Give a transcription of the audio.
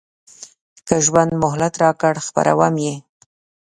که ژوند مهلت راکړ خپروم یې.